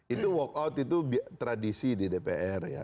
itu walk out itu tradisi di dpr ya